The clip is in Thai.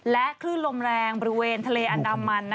คลื่นลมแรงบริเวณทะเลอันดามัน